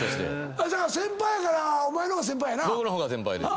先輩やからお前のが先輩やな。